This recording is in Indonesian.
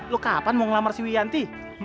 lu kapan mau ngelamar si wianti